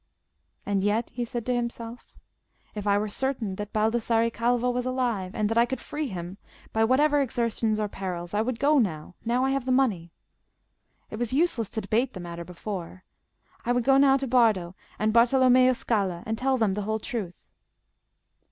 "And yet," he said to himself, "if I were certain that Baldassarre Calvo was alive, and that I could free him, by whatever exertions or perils, I would go now—now I have the money: it was useless to debate the matter before. I would go now to Bardo and Bartolommeo Scala, and tell them the whole truth."